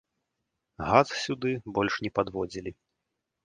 Газ сюды больш не падводзілі.